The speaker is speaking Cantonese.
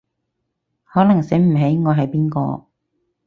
可能醒唔起我係邊個